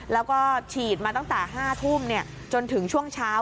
แล้วก็ฉีดมาตั้งแต่๕ทุ่มจนถึงช่วงเช้า